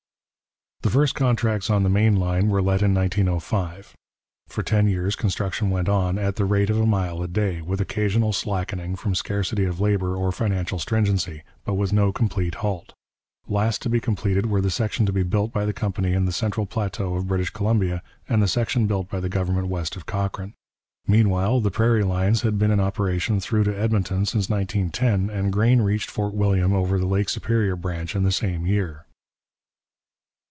The first contracts on the main line were let in 1905. For ten years construction went on, at the rate of a mile a day, with occasional slackening from scarcity of labour or financial stringency, but with no complete halt. Last to be completed were the section to be built by the company in the Central plateau of British Columbia and the section built by the government west of Cochrane. Meanwhile, the prairie lines had been in operation through to Edmonton since 1910, and grain reached Fort William over the Lake Superior branch in the same year.